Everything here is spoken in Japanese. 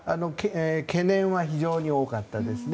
懸念は非常に多かったですね。